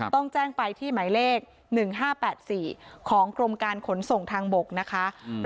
ต้องแจ้งไปที่หมายเลข๑๕๘๔ของกรมการขนส่งทางบกนะคะ